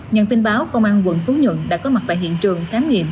nhận tin báo công an quận phú nhuận đã có mặt tại hiện trường khám nghiệm